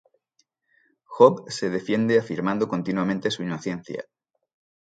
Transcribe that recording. Job se defiende afirmando continuamente su inocencia.